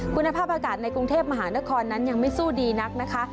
คุณภาพอากาศในกรุงเทพมหานครนั้นยังไม่สู้ดีนักนะคะ